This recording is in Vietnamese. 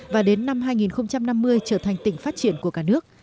và đến năm hai nghìn năm mươi trở thành tỉnh phát triển của cả nước